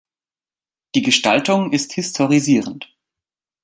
Die Gestaltung ist historisierend.